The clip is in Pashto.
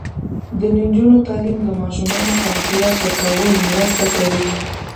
د نجونو تعلیم د ماشومانو تغذیه ښه کولو مرسته کوي.